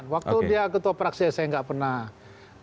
waktu dia ketua fraksi saya nggak pernah bersama